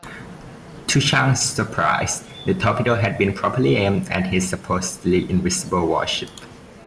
To Chang's surprise, the torpedo had been properly aimed at his supposedly invisible warship.